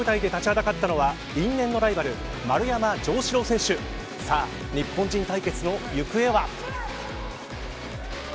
決勝の舞台で立ちはだかったのは因縁のライバル、丸山城志郎選手さあ、日本人対決の行方は。